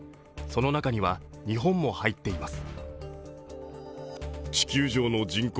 その中には日本も入っています。